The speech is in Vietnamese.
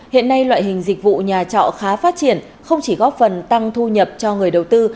hiện nay loại hình dịch vụ nhà trọ khá phát triển không chỉ góp phần tăng thu nhập cho người đầu tư